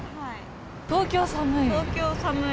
東京、寒い。